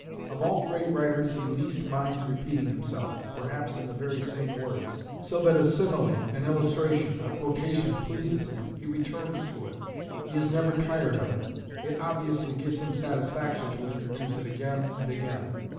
Of all great writers he least minds repeating himself, perhaps in the very same words; so that a simile, an illustration, a quotation pleases him, he returns to it he is never tired of it; it obviously gives him satisfaction to introduce it again and again.